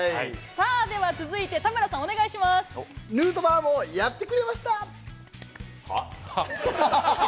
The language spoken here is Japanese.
さあ、では続いて、田村さん、ヌートバーもやってくれましは？